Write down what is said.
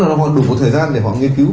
tức là họ đủ một thời gian để họ nghiên cứu